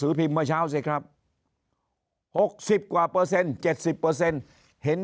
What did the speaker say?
สือพิมพ์เมื่อเช้าสิครับ๖๐กว่าเปอร์เซ็นต์๗๐เปอร์เซ็นต์เห็น